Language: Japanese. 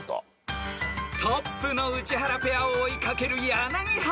［トップの宇治原ペアを追い掛ける柳原ペア］